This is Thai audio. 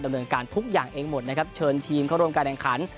ดำเนินการทุกอย่างเองหมดนะครับเชิญทีมเข้าร่วมการแข่งขัน